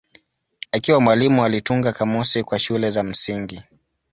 Akiwa mwalimu alitunga kamusi kwa shule za msingi.